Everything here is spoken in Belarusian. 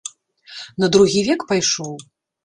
На другі век пайшоў?